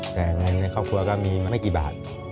แต่เงินในครอบครัวก็มีมาไม่กี่บาท